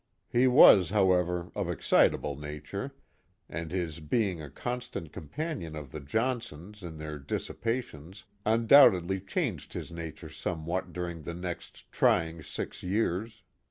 " He was, however, of excitable nat ure, and his being a constant companion of the Johnsons in their dissipations, undoubtedly changed his nature somewhat during the next trying six years.